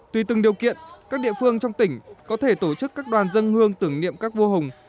tùy từng điều kiện các địa phương trong tỉnh có thể tổ chức các đoàn dân hương tưởng niệm các vua hùng